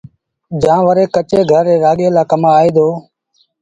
جآݩ وري ڪچي گھر ري رآڳي لآ ڪم آئي ديٚ